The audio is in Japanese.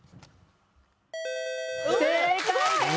正解です。